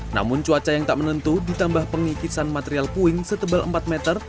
namun cuaca yang tak menentu ditambah pengikisan material puing setebal empat meter